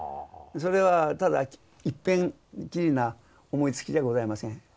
それはただいっぺんきりな思いつきじゃございません。